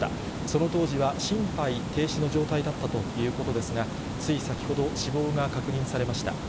その当時は心肺停止の状態だったということですが、つい先ほど死亡が確認されました。